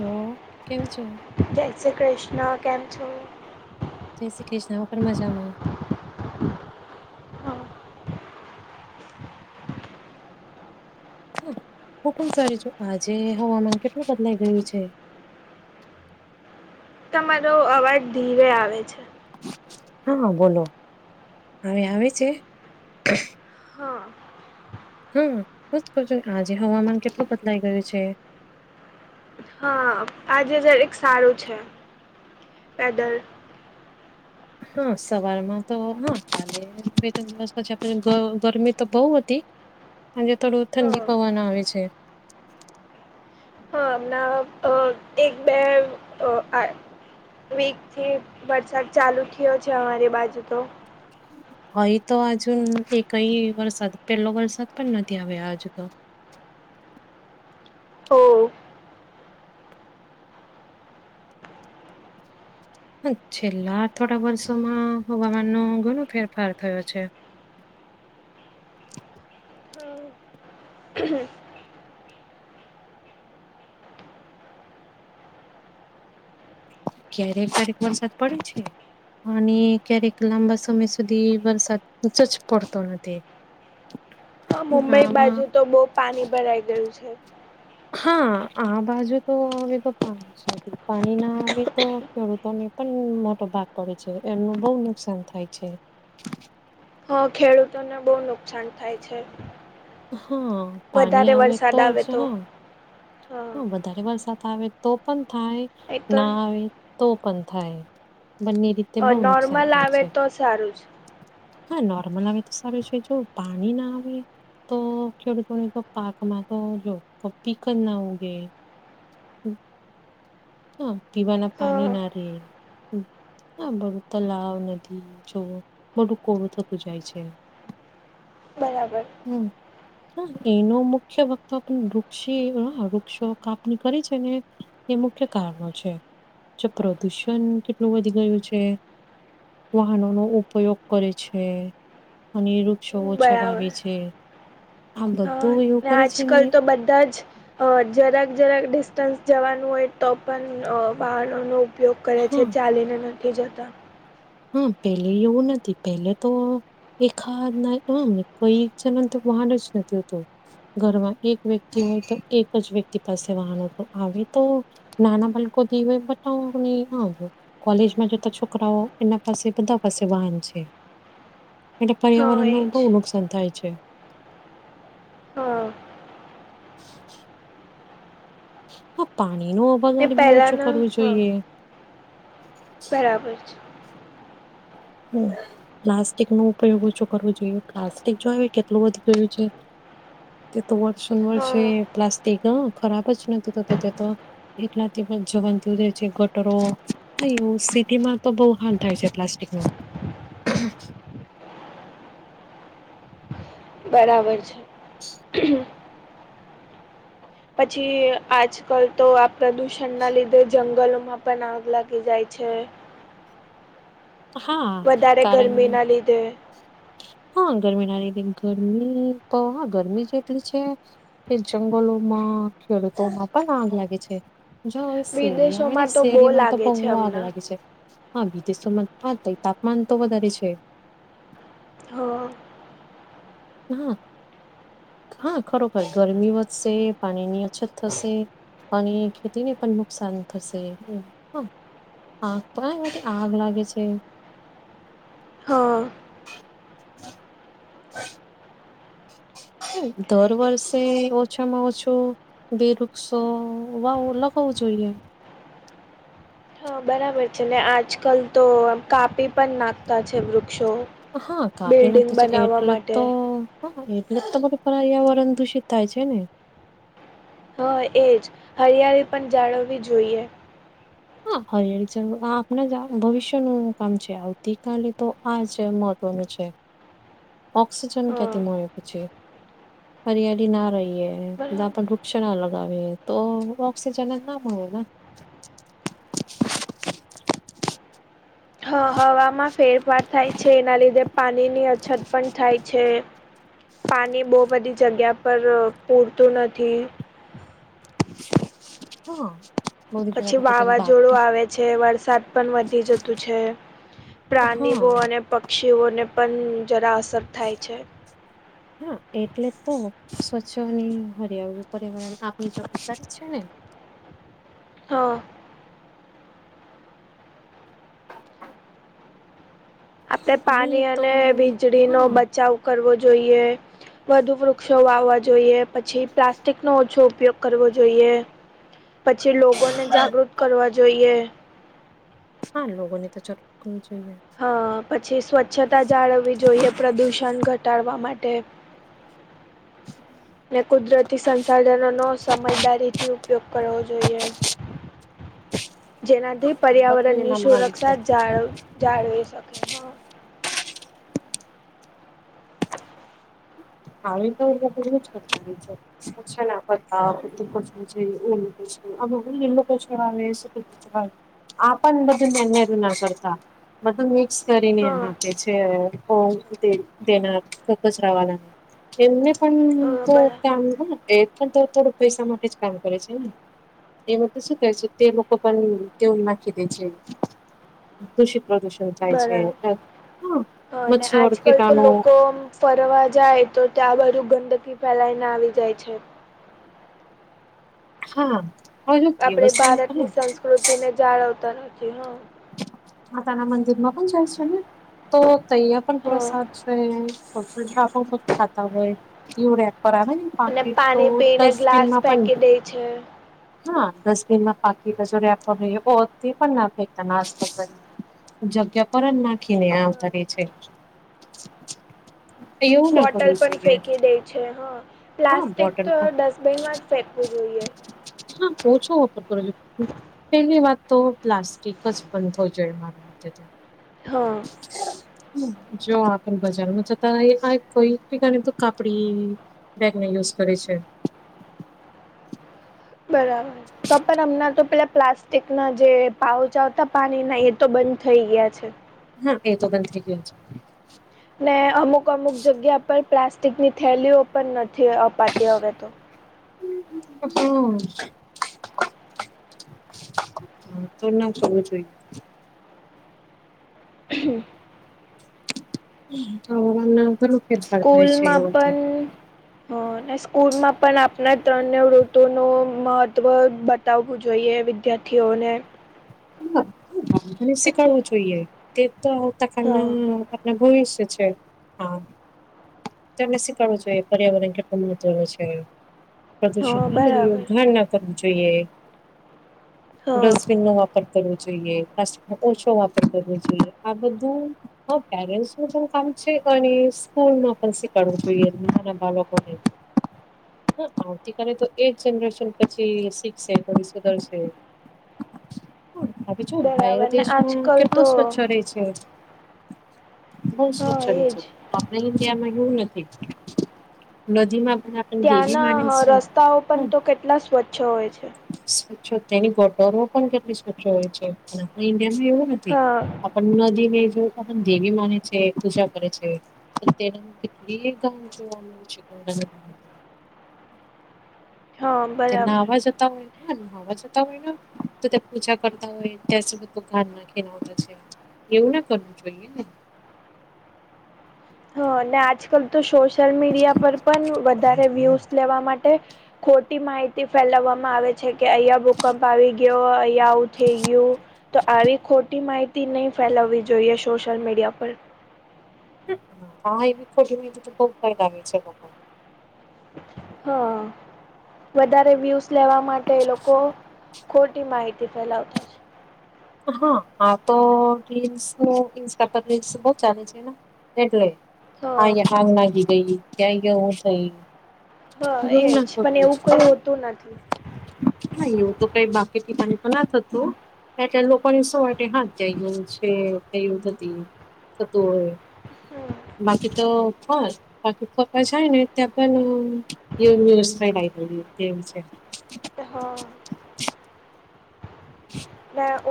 ઓ કેમ છો? જય શ્રી કૃષ્ણ કેમ છો. જય શ્રી કૃષ્ણ હું પણ મજામાં. હા હ હું પણ જા છું આજે હવામાન કેટલું બદલાઈ ગયું છે. તમારો અવાજ ધીરે આવે છે. હા બોલો હવે આવે છે? હા હા હું કર છો આજે હવામાન કેટલું બદલાઈ ગયું છે. હા આજે જરીક સારું છે પેદલ હા સવારમાં તો હા કાલે બે તણ દિવસ પછી આપણે ગરમી તો બવ હતી. આજે થોડું હા ઠંડી પવન આવે છે. હમણા અ એક બે વીક થી વરસાદ ચાલુ થયો છે અમારી બાજુ તો અહી તો હજુ એ કઈ વરસાદ પહેલો વરસાદ પણ નથી આવ્યો હજુ તો હો છેલ્લા થોડા વર્ષોમાં હવામાન નો ઘણો ફેરફાર થયો છે. ક્યારેક ક્યારેક વરસાદ પડે છે. અને ક્યારેક લાંબા સમય સુધી વરસાદ જ પડતો નથી. [unintelligible] [inaudible] હા મુંબઈ ઉનાળામાં બાજુ તો બહુ પાની ભરાઈ ગયું છે. હા આ બાજુ તો અમે તો પા પાણી ના આવે તો ખેડૂતોને પણ મોટો ભાગ પડે છે એમનું બહુ નુકસાન થ થાય છે. હા ખેડૂતોને બહુ નુકસાન થાય છે. હા પાણી વધારે આવે વરસાદ તો જ આવે હા હા વધારે વરસાદ આવે તો પણ થાય એ તો ના આવે તો પણ થાય. બંને રીતે બહુ નુકસાન નોર્મલ થાય આવે છે. તો સારું જ. હા નોર્મલ આવે તો સારું છે જો પાણી ના આવે તો ખેડૂતોને તો પાક માં તો જો પીક જ નાવ [inaudible] હા પીવાના હા પાની ના રે હા બધું તલાવ, નદી, જોવું બધું કોરૂ થતું જાય છે. [inaudible] બરાબર હમ એનો મુખ્ય વક્તો વૃક્ષી ો કાપણી કરી છે ને એ મુખ્ય કારણો છે. જો પ્રદુષણ કેટલું વધી ગયું છે. વાહનો નો ઉપયોગ કરે છે અને વૃક્ષો ઓછા બરાબર વાાવે છે આ બધા હા ને આજકાલ તો બધા જ. અ જરાક જરાક ડિસ્ટન્સ જવાનું હોય તો પણ વાહનોનો ઉપયોગ કરે છે હા ચાલીને નથી જતા. હા પેલે એવું નથી પેલે તો એખાદ ના હ કઈ જન વાડ જ નથી હોતું. ઘરમાં એક વ્યક્તિ હોય તો એક જ વ્યક્તિ પાસે વાહનો આવે તો નાના બાળકો દ હોય બતા કોલેજમાં જતા છોકરાઓ. એના પાસે બધા પાસે વાહન છે, એટલે હા એ પર્યાવરણનું જ બહુ નુકસાન થાય છે. હા. હા પાણી નો અ ને બગાડ બી ઓછો પહેલાના કરવું હા જોઈએ. બરાબર છે. હ પ્લાસ્ટિક નો ઉપયોગ ઓછું કરવો જોઈએ પ્લાસ્ટિક જો કેટલું વધી ગયું છે. ત તો વર્ષાન વર્ષે હા પ્લાસ્ટિક અ ખરાબ જ નથી ત તો તો તે તો. એટલાથી જવનુ છે ગટરો ન એવ સિટીમાં તો બહુ હાર થાય છે પ્લાસ્ટિકમાં. હ [unintelligible] બરાબર છે. પછી આજકાલ તો આ પ્રદુષણના લીધે જંગલોમાં પણ આગ લાગી જાય છે. હા વધારે કારણ ગરમીના લીધે. હા ગરમી ના રીતે ગરમી હા ગરમી જેટલી છે. કે જંગલોમાં ખેડૂતોમાં પણ આગ લાગે છે. જોવે શેરી આવે ને વિદેશોમાં તો બહુ શેરીમાં તો લાગે છે બહુ આગ હમણાં લાગે છે. હા વિદેશોમાં હા તાપમાન તો વધારે છે. હા. હા હા ખરોખર ગરમી વધશે પાણીની અછત થશે. અને ખેતીને પણ નુકસાન થશે હ. આ પણ આગ લાગે છે. હા. દર વર્ષે ઓછામાં ઓછું. બે વૃક્ષો વાવો લગાવવું જોઈએ. હ બરાબર છે ને આજકાલ તો કાપી પણ નાખતા છે વૃક્ષો. હા કાપી બિલ્ડિંગ નાક્તી છે બનાવવા એટલે માટે તો હા એટલે તમારું પર્યાવરણ દૂષિત થાય છે ને. હા એજ, હરિયાળી પણ જાળવવી જોઈએ. હા હ આપણા જ ભવિષ્યનું કામ છે આવતીકાલે તો આજ મહત્વનું છે. ઓક્સિજન હા કે્યાથી મળે પછી. ફરિયાળી ના રહીએ બધા બરાબર આપણ વૃક્ષ ના લગાવીએ તો ઓક્સિજન જ ના મળે ને. હ હવામાં ફેરફાર થાય છે એના લીધે પાણીની અછત પણ થાય છે. પાણી બહુ બધી જગ્યા પર પૂરતું નથી. હા. મોદી જગ્યા પછી પર પોતાની બાપ વાવાઝોડું આવે છે વરસાદ પણ વધી જતું છે. હા પ્રાણીઓ અને પક્ષીઓને પણ જરા અસર થાય છે. હા એટલે તો સ્વચ્છની હરિયાળ પર્યાવરણ આપણી જવાબદારી છે ને. હા. આપણે અહીં પાણી તો અને વીજળી નો હા બચાવ કરવો જોઈએ, વધુ વૃક્ષો વાવવા જોઈએ પછી પ્લાસ્ટિકનો ઓછો ઉપયોગ કરવો જોઈએ, પછી લોકોને જાગૃત કરવા જોઈએ. હા લોકો ની તો જરૂર કરવી જોઈએ. અ પછી સ્વચ્છતા જાળવવી જોઈએ પ્રદૂષણ ઘટાડવા માટે. [inaudible] ને કુદરતી સંસાધનો નો સમજદારી થી ઉપયોગ કરવો જોઈએ. [inaudible] જેનાથી હા બધું પર્યાવરણની એનામાં આવે છે સુરક્ષા જાળ જાળવી શકે. હા [unintelligible] એવું જ કહી શકે છે. છે છે ને પતા [unintelligible] અમે એ લોકો છે અવે શું થયા આપન બધું [unintelligible] ના કરતા બધું એ કરીને હા આપે છે કોણ દેના ફક જ રવાના. એમને પણ હા તો બરા કામ હોય એ પણ તો થોડુંકા થોડુંકા પૈસા માટે જ કામ કરે છેને. એમાં તો શું કહેવાય છે તે લોકો પણ તેવું નાખી દે છે. દૂષિત પ્રદુષણ થાય છે બરાબર હ અને મચ્છર આજકાલ તો કીટાણુ લોકો આમ ફરવા જાય તો ત્યાં બધું ગંદકી ફેલાયને આવી જાય છે. હા. હવે જો આપણે દેવસ્થાન ભારતની પણ સંસ્કૃતિને જાળવતા નથી હા. માતા ના મંદિર માં પણ જાય છે ને તો તૈયા પણ પ્રસાદ હ છે. [unintelligible] ખાતા હોય એવું રે બરાબર અને પાણી પી ને ગ્લાસ ફેંકી દે છે. હા ડસ્ટબિનમાં પાકી [unintelligible] તે પણ ના ફેકતા નાસ્તો કરી ને. જગ્યા પર જ નાખીને આવતા રહે હા છે. એવું ના બોટલ કરવું પણ જોઈએ ફેંકી દે છે હા. હા પ્લાસ્ટિક બોટલ તો પણ ડસ્ટબિનમાં જ ફેંકવું જોઈએ. હા ઓછો વાપર કરો છો પેલી વાત તો પ્લાસ્ટિક જ બંધ થવી જોઈએ મારો તે તો. હા. [inaudible] જો આપ બજારમાં છતાં આ કોઈની તો કાપડી બેગને યુઝ કરે છે. બરાબર તો પણ અમનાં તો પેલા પ્લાસ્ ટિક ના જે પાઉચ આવતા પાણી ના એ તો બંધ થઈ ગયા છે. હા એ તો બંધ થઈ ગયો છે. ને અમુક અમુક જગ્યા પર પ્લાસ્ટિક ની થેલીઓ પણ નથી અપાતી હવે તો. હા. હા તો ના કરવુ જોઈએ. [inaudible] [unintelligible] છે સ્કૂલમાં એવ તો પણ હ અને સ્કૂલમાં પણ આપણા ત્રણે ઋતુનો મહત્વ બા બતાવવું જોઈએ વિદ્યાર્થીઓને. અને પછી શીખડવું જોઈએ તે તો આવતા હા કાળના ને ભવિષ્ય છે હા. એમને શીખડવું જોઈએ પર્યાવરણ કેટલું મહત્વનું છે. હા પ્રદુષણ બરાબર [unintelligible] ધાર ના કરવી જોઈએ હા ડસ્ટબિન નો વાપર કરવું જોઈએ [unintelligible] ઓછો વાપર કરવો જોઈએ આ બધું હ પેરેન્ટ્સ નું પણ કામ છે અને સ્કૂલ ન પણ શીખડવું જોઈએ નાના બાળક [unintelligible] હ આવતીકાલે તો એ જ જનરેશન પછી શીખશે પછી સુધરશે. હ જો બરાબર બાહેરા ને દેશમાં આજકાલ તો કેટલું સ્વચ્છ રહેે છે. બઉ હા સ્વચ્છ રહે છે એજ આપણા ઇન્ડિયામાં એવું નથી નદીમાં પણ આપણને દેવી માને ત્યાંના છે રસ્તાઓ પણ તો કેટલા સ્વચ્છ હોય છે. સ્વચ્છો તેની ગટરો પણ કેટલી સ્વચ્છો હોય છે આપ ઇન્ડિયામાં એવું ના હા. પણ નદીને જો દેવી માને છે પૂજા કરે છે. તેના માટે કેટ છે. પણ. હા જેના બરાબર નાવા જતા હોય. હા નહાવા જતા હોય ને તો ત્યાં પૂજા કરતા હોય ત્યાં સુધી તો ઘાન નાખીને આવતા છે. એવું ના કરવું જોઈએ ને. હા અને આજ કલ તો સોશલ મીડિયા પર પણ વધારે વ્યુઝ. લેવા માટે ખોટી માહિતી ફેલાવવામાં આવે છે કે અહીયા ભૂકંપ આવી ગ ક અહિયાં આવુ થઈ ગયું. તો આવી ખોટી માહિતી નહી ફેલાવવી જોઈએ સોશિયલ મીડિયા પર. [inaudible] હા વધારે વ્યુઝ લેવા માટે લોકો. ખોટી માહિતી ફેલાવતા છે. હા હા તો રીલ્સ ઇન્સ્ટા પર રીલ્સ બોહ ચાલે છે ને. એટલે છે હા આ આગ લાગી ગઈ ક્યાં ગયા હું થઈ. હ એજ પણ એવું કઈ હોતું નથી. હા એવું તો કઈ બાકી [unintelligible] તો ના થતું. એટલે લોકોની સવાટી હાથ થઈું છે થયું થતી થતું હોય. હમ બાકી તો હોય. બાકી ફપા જાય ને ત પણ એવ વ્યવસ્ થ લ. હા.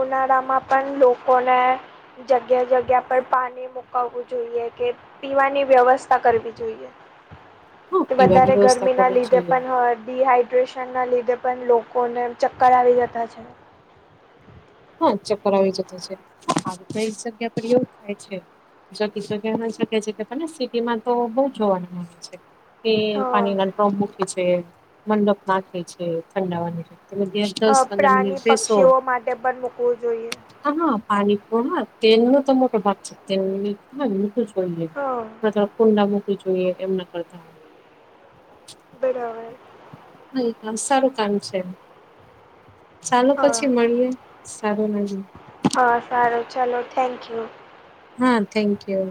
ઉનાળા માં પણ લોકોને. જગ્યા જગ્યા પર પાણી મુકાવવું જોઈએ કે પીવાની વ્યવસ્થા કરવી જોઈએ. [inaudible] કે પીવાની વધારે વ્યવસ્થા ગરમી ના કરવી લીધે જોઈએ પણ ડીહડ ડ્રેશન ના લીધે પણ લોકોને ચક્કર આવી જતા છે. હ ચક્કર આવી જતા છે આવીઈ જગ્યા પર એયો થાય છે. શકી શકે શકે છે કે પણ સિટી માં તો બઉ જોવાનું મળ છે. એ પાણી ના ડ્રોમ મૂકે છે મંડપ નાખે છે ંડાવાની શતિ બધ. અ પ્રાણી પક્ષીઓ માટે પણ મૂકવું જોઈએ. હા પાણીપ હ તેલ નો તો મોટો ભાગ છે તેલ એ. હા કુંડા મૂકવું જોઈએ એમ ના કરતા હોય. બરાવાર. હા હ સારું કામ છે. ચાલો હા પછી મળીએ સારું ન. હા સારું ચાલો થેન્ક યુ. હા થેન્ક યુ.